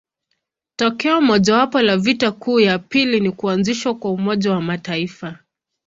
Tokeo mojawapo la vita kuu ya pili ni kuanzishwa kwa Umoja wa Mataifa.